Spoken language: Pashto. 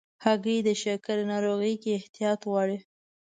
هګۍ د شکر ناروغۍ کې احتیاط غواړي.